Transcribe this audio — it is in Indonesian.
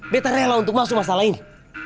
beta rela untuk masuk masalah ini